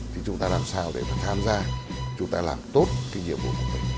thì chúng ta làm sao để mà tham gia chúng ta làm tốt cái nhiệm vụ của mình